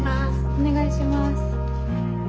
お願いします。